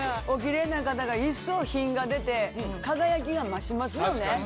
おキレイな方が一層品が出て輝きが増しますよね。